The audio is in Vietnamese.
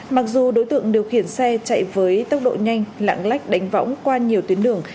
mặc dù đối tượng điều khiển xe chạy với tốc độ nhanh lãng lách đánh võng qua nhiều tuyến đường